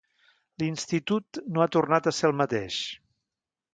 L'institut no ha tornat a ser el mateix.